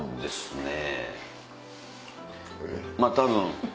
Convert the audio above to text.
まぁ多分。